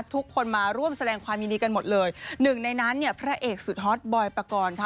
ทุกคนมาร่วมแสดงความยินดีกันหมดเลยหนึ่งในนั้นเนี่ยพระเอกสุดฮอตบอยปกรณ์ค่ะ